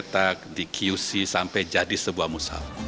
dicetak dikiusi sampai jadi sebuah musab